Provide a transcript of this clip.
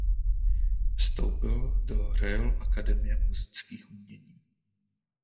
Vstoupil do Royal Akademie múzických umění.